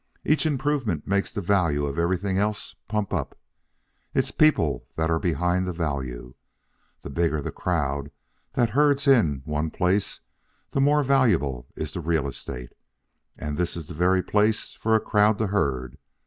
Each improvement makes the value of everything else pump up. It's people that are behind the value. The bigger the crowd that herds in one place, the more valuable is the real estate. And this is the very place for a crowd to herd.